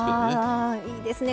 ああいいですね